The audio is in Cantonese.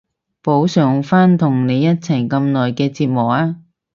補償返同你一齊咁耐嘅折磨啊